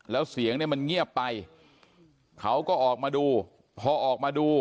แล้วเสียงเนี่ยมันเงียบไปเขาก็ออกมาดู